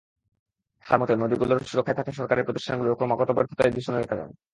তাঁর মতে, নদীগুলোর সুরক্ষায় থাকা সরকারি প্রতিষ্ঠানগুলোর ক্রমাগত ব্যর্থতাই দূষণের কারণ।